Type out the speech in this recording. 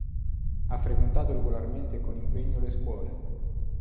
Ha frequentato regolarmente e con impegno le scuole.